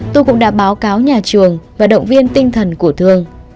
tôi cũng đã báo cáo nhà trường và động viên tinh thần của thương